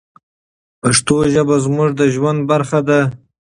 پښتو ژبه زموږ د ژوند برخه ده.